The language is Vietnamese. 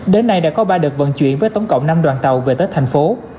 đến nay đã có ba đợt vận chuyển với tổng cộng năm đoàn tàu về tới thành phố